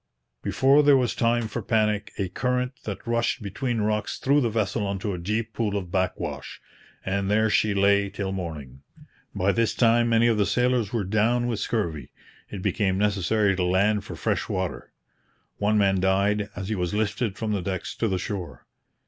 Before there was time for panic, a current that rushed between rocks threw the vessel into a deep pool of backwash; and there she lay till morning. By this time many of the sailors were down with scurvy. It became necessary to land for fresh water. One man died as he was lifted from the decks to the shore.